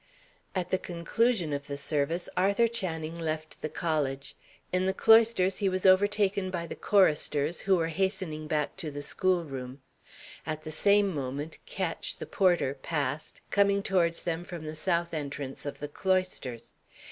At the conclusion of the service, Arthur Channing left the college. In the cloisters he was overtaken by the choristers, who were hastening back to the schoolroom. At the same moment Ketch, the porter, passed, coming towards them from the south entrance of the cloisters.